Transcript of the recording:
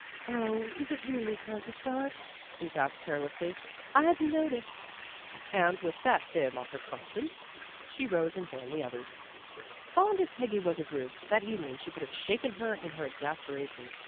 '' ''Oh, is it really time to start?" Ruth asked carelessly. *' I hadn 't noticed. '' And with that fib on her conscience, she rose and joined the others. Fond as Peggy was of Ruth, that evening she could have shaken her in her exasperation.